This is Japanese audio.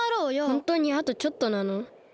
ホントにあとちょっとなの？